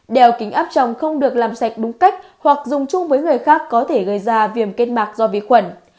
đèo kính áp chồng không được làm sạch đúng cách hoặc dùng chung với người khác có thể gây ra viêm kết mạc do vi khuẩn